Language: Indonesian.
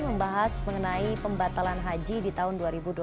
membahas mengenai pembatalan haji di tahun dua ribu dua puluh